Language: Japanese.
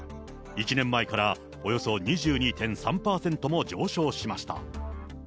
１年前から、およそ２２．３％も上昇しました。